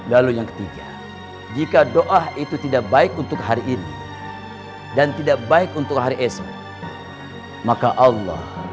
lalu yang ketiga jika doa itu tidak baik untuk hari ini dan tidak baik untuk hari esok maka allah